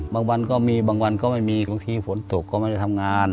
วันก็มีบางวันก็ไม่มีบางทีฝนตกก็ไม่ได้ทำงาน